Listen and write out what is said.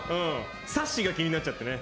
サッシが気になっちゃってね。